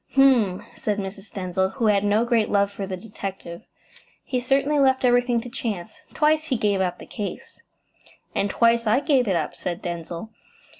"H'm!" said Mrs. Denzil, who had no great love for the detective. "He certainly left everything to chance. Twice he gave up the case.". "And twice I gave it up," said Denzil.